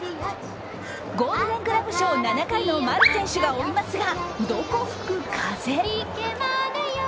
ゴールデン・グラブ賞７回の丸選手が追いますが、どこ吹く風。